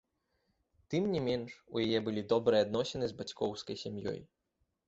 Тым не менш у яе былі добрыя адносіны з бацькоўскай сям'ёй.